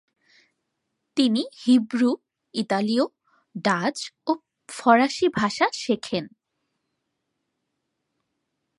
তিনি হিব্রু, ইতালীয়, ডাচ ও ফরাসি ভাষা শেখেন।